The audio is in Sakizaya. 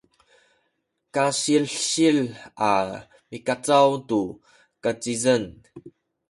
kasilsil a mikacaw tu kazizeng